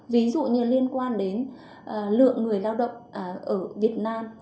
ví dụ như liên quan đến lượng người lao động ở việt nam